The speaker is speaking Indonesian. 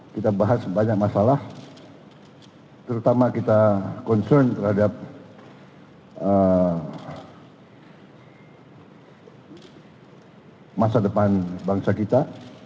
kita bahas banyak masalah terutama kita concern terhadap masa depan bangsa kita